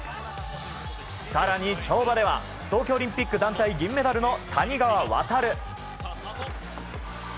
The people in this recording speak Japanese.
更に跳馬では東京オリンピック団体銀メダルの谷川航。